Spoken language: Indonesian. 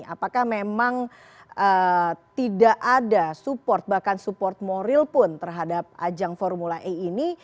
apakah memang tidak ada support bahkan support moral pun terhadap ajang formula e ini